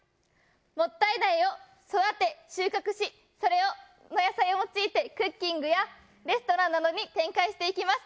もったい苗を育て収穫しそれをその野菜を用いてクッキングやレストランなどに展開していきます。